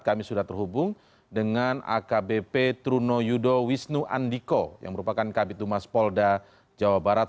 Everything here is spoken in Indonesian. kami sudah terhubung dengan akbp truno yudo wisnu andiko yang merupakan kabit dumas polda jawa barat